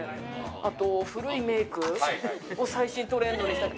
あと、古いメークを最新トレンドにしたくて。